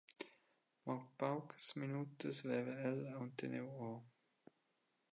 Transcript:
Mo paucas minutas veva el aunc teniu ora.